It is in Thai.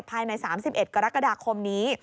ภายใน๓๑กรกฎาคมนี้